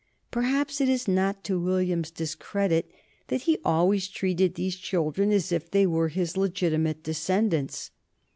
Perhaps it is not to William's discredit that he always treated these children as if they were his legitimate descendants.